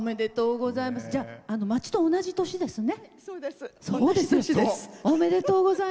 町と同じ年ですね。